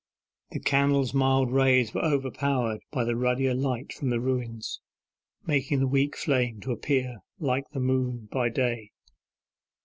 The candle's mild rays were overpowered by the ruddier light from the ruins, making the weak flame to appear like the moon by day.